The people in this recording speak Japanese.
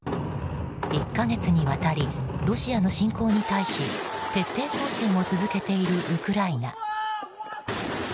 １か月にわたりロシアの侵攻に対し徹底抗戦を続けているウクライナ。